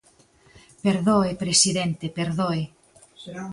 Perdoe, presidente, perdoe.